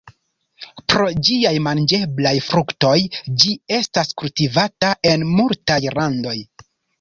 Pro ĝiaj manĝeblaj fruktoj ĝi estas kultivata en multaj landoj.